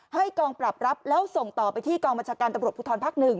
กองปรับรับแล้วส่งต่อไปที่กองบัญชาการตำรวจภูทรภักดิ์๑